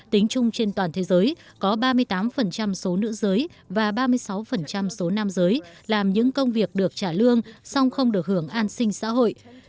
tính chung trên toàn thế giới có ba mươi tám số nữ giới và ba mươi sáu số nam giới làm những công việc được trả lương song không được hưởng an sinh xã hội